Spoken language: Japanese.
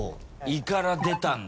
「いからでたんだ」。